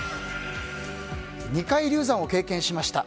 ２回流産を経験しました。